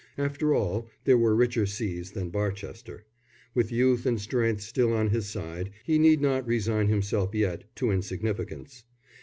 After all there were richer Sees than Barchester. With youth and strength still on his side he need not resign himself yet to insignificance.